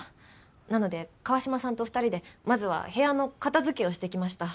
なので川島さんと２人でまずは部屋の片付けをしてきました。